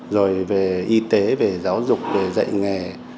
rồi về y tế về giáo dục về dạy nghề